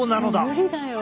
無理だよ。